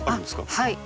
はい。